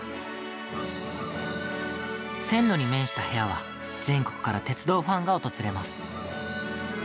線路に面した部屋は全国から鉄道ファンが訪れます。